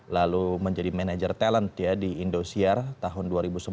lalu menjadi manajer talent ya di indosiar tahun dua ribu sebelas